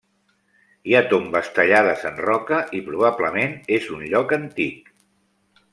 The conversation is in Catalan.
Hi ha tombes tallades en roca i probablement és un lloc antic.